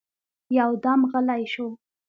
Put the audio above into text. يودم غلی شو.